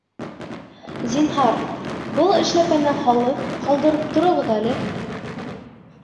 Зинһар, был эшләпәне һалып, ҡалдырып тороғоҙ әле